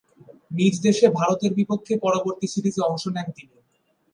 নিজদেশে ভারতের বিপক্ষে পরবর্তী সিরিজে অংশ নেন তিনি।